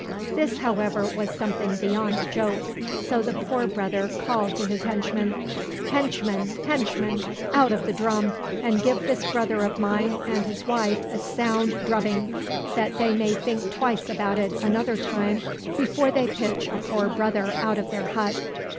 " This, however, was something beyond a joke, so the poor brother called to his henchmen, " Henchmen, henchmen ! out of the drum, and give this brother of mine and his wife a sound drubbing, 44 THE STORY OF THE WIND that they may think twice about it another time before they pitch a poor brother out of their hut